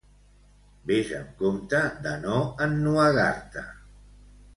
Ves amb compte de no ennuegar-te!